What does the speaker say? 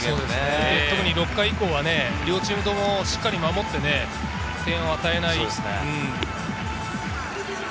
特に６回以降は両チームともしっかり守って点を与えない。